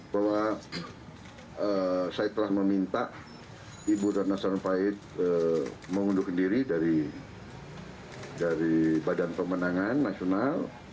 bahwa saya telah meminta ibu rana sarumpai mengunduhkan diri dari badan pemenangan nasional